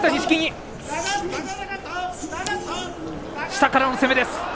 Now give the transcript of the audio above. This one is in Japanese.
下からの攻めです。